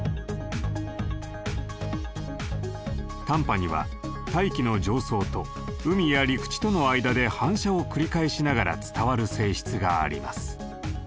短波には大気の上層と海や陸地との間で反射を繰り返しながら伝わる性質があります。